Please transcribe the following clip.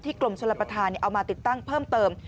กรมชลประธานเอามาติดตั้งเพิ่มเติม